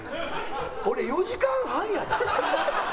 俺、４時間半やで。